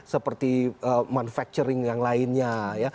seperti manufacturing yang lainnya